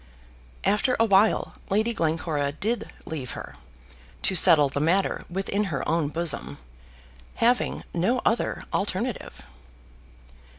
After a while Lady Glencora did leave her, to settle the matter within her own bosom, having no other alternative.